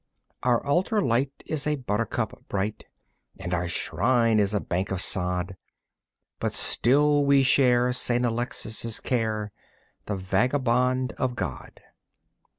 Our altar light is a buttercup bright, And our shrine is a bank of sod, But still we share St. Alexis' care, The Vagabond of God.